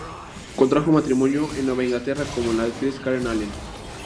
Contrajo matrimonio en Nueva Inglaterra con la actriz Karen Allen.